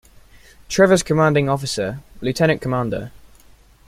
"Trever's" commanding officer, Lieutenant Comdr.